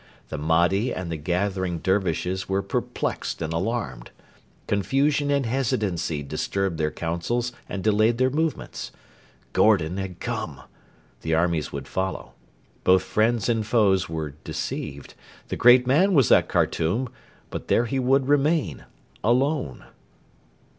The Mahdi and the gathering Dervishes were perplexed and alarmed. Confusion and hesitancy disturbed their councils and delayed their movements. Gordon had come. The armies would follow. Both friends and foes were deceived. The great man was at Khartoum, but there he would remain alone.